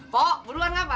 po beruluan apa